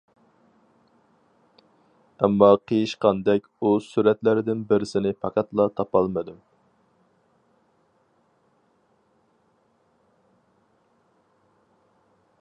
ئەمما قېيىشقاندەك ئۇ سۈرەتلەردىن بىرسىنى پەقەتلا تاپالمىدىم.